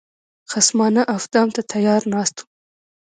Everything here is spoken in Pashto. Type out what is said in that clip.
خصمانه افدام ته تیار ناست وو.